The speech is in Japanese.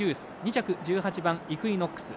２着、１８番イクイノックス。